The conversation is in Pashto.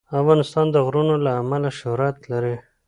افغانستان د غرونه له امله شهرت لري.